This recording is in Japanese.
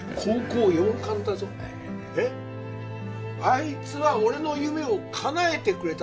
あいつは俺の夢をかなえてくれたんだ。